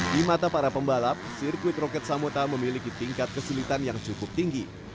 di mata para pembalap sirkuit roket samuta memiliki tingkat kesulitan yang cukup tinggi